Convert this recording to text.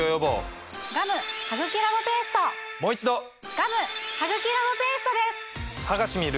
ガム・ハグキラボペーストです！